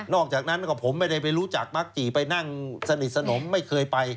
อกจากนั้นก็ผมไม่ได้ไปรู้จักมักจี่ไปนั่งสนิทสนมไม่เคยไป